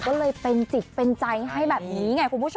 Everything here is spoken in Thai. ก็เลยเป็นจิตเป็นใจให้แบบนี้ไงคุณผู้ชม